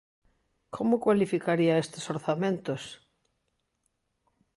Como cualificaría estes orzamentos?